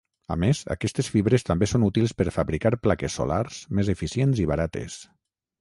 A més, aquestes fibres també són útils per fabricar plaques solars més eficients i barates.